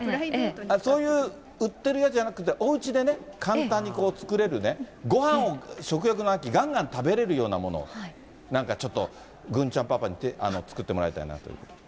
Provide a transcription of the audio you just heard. そういう売ってるやつじゃなくて、おうちで簡単に作れるごはんを食欲の秋、がんがん食べれるようなもの、なんかちょっと、郡ちゃんパパに作ってもらいたいなということで。